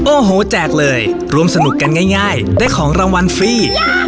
โอ้โหแจกเลยรวมสนุกกันง่ายได้ของรางวัลฟรี